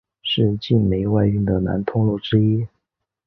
是晋煤外运的南通路之一。